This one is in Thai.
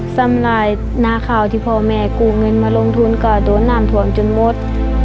สำหรับลายหน้าข้าวที่พ่อแม่กู้เงินมาลงทุนก็โดนน้ำท่วมจนหมด